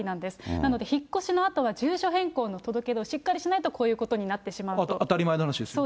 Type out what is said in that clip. なので引っ越しのあとは住所変更の届け出をしっかりしないと、こ当たり前の話ですね。